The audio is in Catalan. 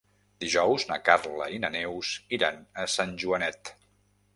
Dijous na Carla i na Neus iran a Sant Joanet.